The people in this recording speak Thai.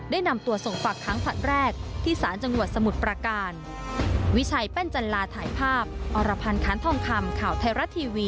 ได้นำตัวส่งปากครั้งแรกที่สารจังหวัดสมุทรประการ